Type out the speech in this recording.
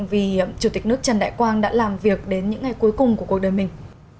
vì chủ tịch nước trần đại quang đã làm việc đến những ngày cuối cùng của cuộc đời mình